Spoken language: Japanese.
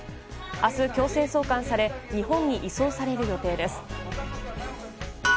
明日、強制送還され日本に移送される予定です。